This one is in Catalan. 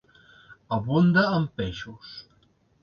Abunda en peixos.